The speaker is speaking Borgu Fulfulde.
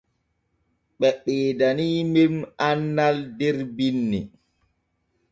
Ɓe ɓeedaniimen annal der binni.